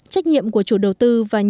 trách nhiệm của chủ đầu tư và